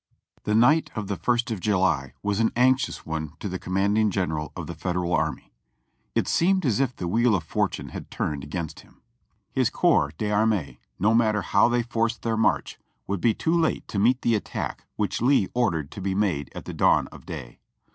The night of the ist of July was an anxious one to the com manding general of the Federal army. It seemed as if the wheel of Fortune had turned against him. His corps d'armee, no GETTYSBURG 4OI matter how they forced their march, would be too late to meet the attack which Lee ordered to be made at dawn of day.